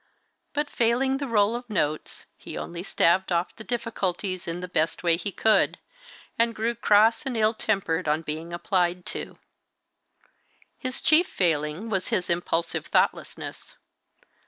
But, failing the roll of notes, he only staved off the difficulties in the best way he could, and grew cross and ill tempered on being applied to. His chief failing was his impulsive thoughtlessness.